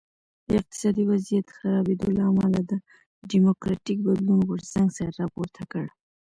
د اقتصادي وضعیت خرابېدو له امله د ډیموکراټیک بدلون غورځنګ سر راپورته کړ.